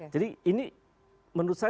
jadi ini menurut saya